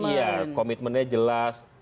iya komitmennya jelas